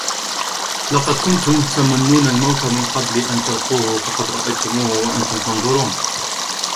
ولقد كنتم تمنون الموت من قبل أن تلقوه فقد رأيتموه وأنتم تنظرون